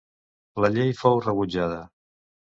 La llei fou rebutjada.